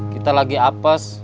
kita lagi apes